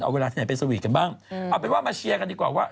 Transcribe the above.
เอาเวลาที่ไหนไปสวีทกันบ้างเอาเป็นว่ามาเชียร์กันดีกว่าว่า